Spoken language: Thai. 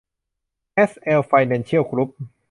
แอล เอช ไฟแนนซ์เชียล กรุ๊ป